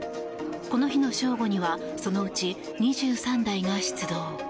この日の正午にはそのうち２３台が出動。